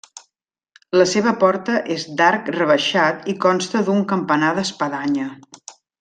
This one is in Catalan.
La seva porta és d'arc rebaixat i consta d'un campanar d'espadanya.